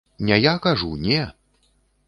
Не я, кажу, не.